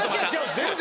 全然。